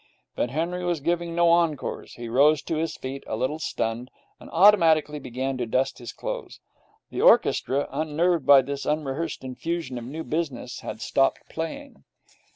But Henry was giving no encores. He rose to his feet, a little stunned, and automatically began to dust his clothes. The orchestra, unnerved by this unrehearsed infusion of new business, had stopped playing.